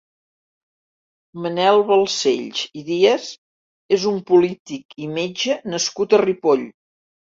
Manel Balcells i Díaz és un polític i metge nascut a Ripoll.